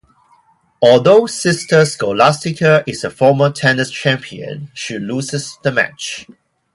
Although Sister Scholastica is a former tennis champion, she loses the match.